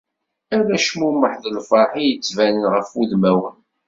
Ala acmumeḥ d lferḥ i d-yettbanen ɣef wudmawen.